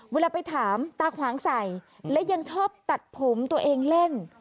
เวลาไปถามตาขวางใส่และยังชอบตัดผมตัวเองเล่น